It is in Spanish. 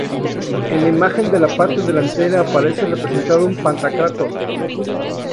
En la imagen de la parte delantera aparece representado un Pantocrátor.